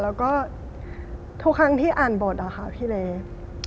แล้วก็ทุกครั้งที่อ่านบทอะค่ะพี่เล็ก